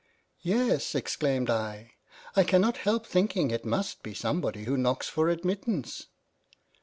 "' Yes (exclaimed I) I cannot help thinking it must be somebody who knocks for admittance.'